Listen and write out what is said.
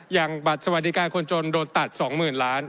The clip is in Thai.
อย่างบัตรสวัสดิการคนจนโดนตัด๒๐๐๐ล้าน